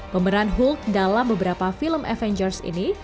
pemeran hulk dalam beberapa film avengers ini